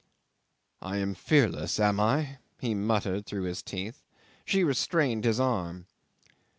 "I am fearless am I?" he muttered through his teeth. She restrained his arm.